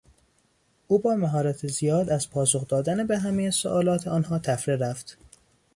او با مهارت زیاد از پاسخ دادن به همهی سئوالات آنها طفره رفت.